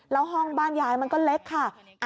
แล้วห้องบ้านยายมันก็เล็กค่ะ